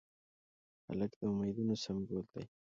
هلک د امیدونو سمبول دی.